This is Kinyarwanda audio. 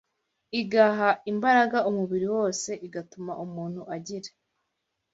igaha imbaraga umubiri wose, igatuma umuntu agira